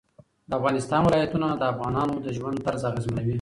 د افغانستان ولايتونه د افغانانو د ژوند طرز اغېزمنوي.